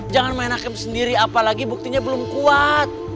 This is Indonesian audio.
jangan main hakim sendiri apalagi buktinya belum kuat